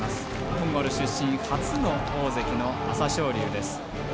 モンゴル出身初の大関の朝青龍です。